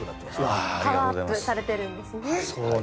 パワーアップされてるんですね。